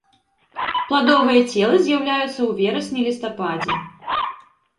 Пладовыя целы з'яўляюцца ў верасні-лістападзе.